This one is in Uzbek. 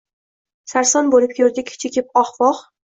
Sarson bo’lib yurdik, chekib oh-voh